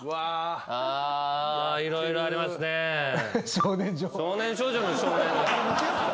少年少女の「少年」